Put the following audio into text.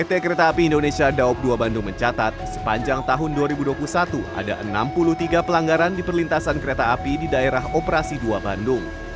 pt kereta api indonesia daob dua bandung mencatat sepanjang tahun dua ribu dua puluh satu ada enam puluh tiga pelanggaran di perlintasan kereta api di daerah operasi dua bandung